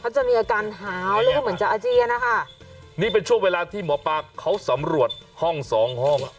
จะมีอาการหาวแล้วก็เหมือนจะอาเจียนนะคะนี่เป็นช่วงเวลาที่หมอปลาเขาสำรวจห้องสองห้องอ่ะ